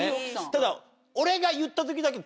ただ。